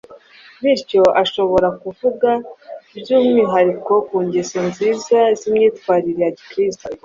bityo ashobora kuvuga by’umwihariko ku ngeso nziza z’imyitwarire ya Gikristo